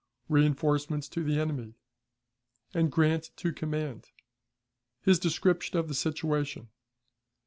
Reënforcements to the Enemy, and Grant to command. His Description of the Situation.